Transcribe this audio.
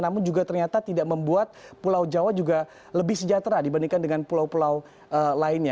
namun juga ternyata tidak membuat pulau jawa juga lebih sejahtera dibandingkan dengan pulau pulau lainnya